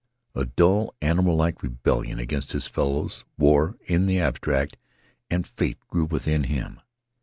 A dull, animal like rebellion against his fellows, war in the abstract, and fate grew within him.